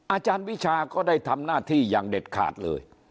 อาจารย์วิชาก็ได้ทำหน้าที่อย่างเด็ดขาดเลย